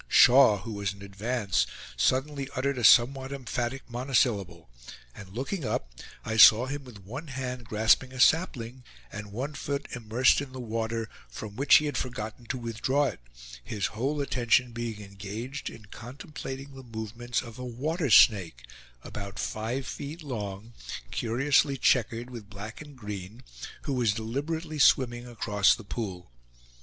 Shaw, who was in advance, suddenly uttered a somewhat emphatic monosyllable; and looking up I saw him with one hand grasping a sapling, and one foot immersed in the water, from which he had forgotten to withdraw it, his whole attention being engaged in contemplating the movements of a water snake, about five feet long, curiously checkered with black and green, who was deliberately swimming across the pool.